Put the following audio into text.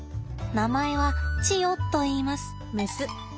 名前はチヨといいます。